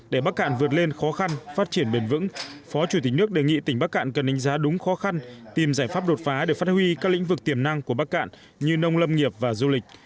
để bắc cạn vượt lên khó khăn phát triển bền vững phó chủ tịch nước đề nghị tỉnh bắc cạn cần đánh giá đúng khó khăn tìm giải pháp đột phá để phát huy các lĩnh vực tiềm năng của bắc cạn như nông lâm nghiệp và du lịch